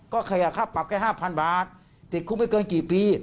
ก็ขยะค่าปรับแค่๕๐๐บาทติดคุกไม่เกินกี่ปี